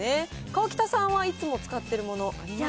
河北さんは、いつも使ってるもの、ありますか。